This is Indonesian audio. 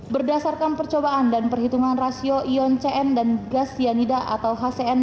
berdasarkan percobaan dan perhitungan rasio ion cn dan gas cyanida atau hcn